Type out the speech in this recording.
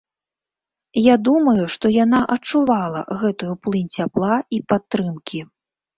Я думаю, што яна адчувала гэтую плынь цяпла і падтрымкі.